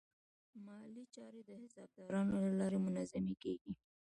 مالي چارې د حسابدارانو له لارې منظمې کېږي.